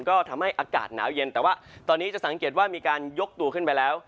ก็ทำให้อากาศหนาวเย็นแต่ว่าตอนนี้จะสังเกตว่ามีการยกตัวขึ้นไปแล้ว